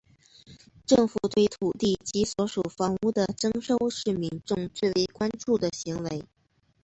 政府对土地及所属房屋的征收是民众最为关注的行为。